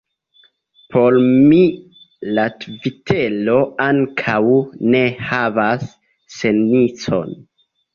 Por mi la Tvitero ankaŭ ne havas sencon.